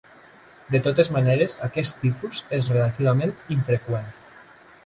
De totes maneres, aquest tipus és relativament infreqüent.